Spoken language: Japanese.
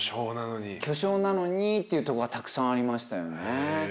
巨匠なのにっていうとこがたくさんありましたよね。